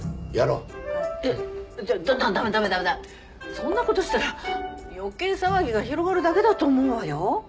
そんなことしたら余計騒ぎが広がるだけだと思うわよ。